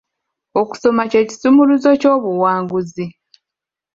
Okusoma kye kisumuluzo ky'obuwanguzi.